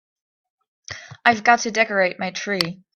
I've got to decorate my tree.